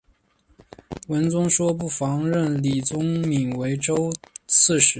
文宗说不妨任李宗闵为州刺史。